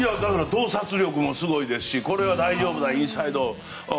洞察力もすごいですしこれは大丈夫、インサイド。